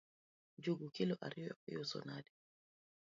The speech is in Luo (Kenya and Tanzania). Njugu kilo ariyo iuso nade?